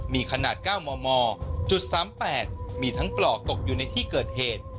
มีขนาดเก้ามอมอจุดสามแปดมีทั้งปลอกตกอยู่ในที่เกิดเหตุ